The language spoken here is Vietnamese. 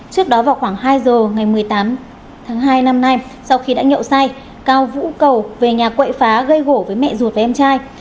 trước đó vào khoảng hai giờ ngày một mươi tám tháng hai năm nay sau khi đã nhậu say cao vũ cầu về nhà quậy phá gây gỗ với mẹ ruột và em trai